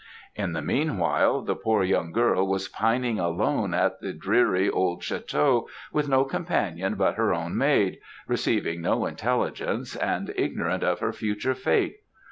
"In the meanwhile, the poor young girl was pining alone in the dreary, old château, with no companion but her own maid, receiving no intelligence, and ignorant of her future fate.